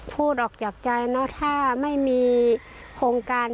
พูดออกจากใจเนอะถ้าไม่มีโครงการ